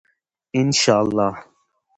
انشاءالله.